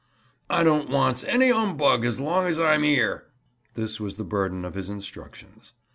"I don't wants any 'umbug as long as I'm 'ere"—this was the burthen of his instructions.